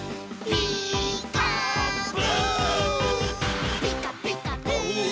「ピーカーブ！」